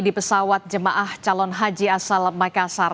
di pesawat jemaah calon haji asal makassar